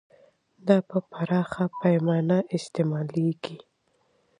دا په پراخه پیمانه استعمالیږي.